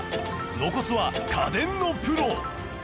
残すは家電のプロ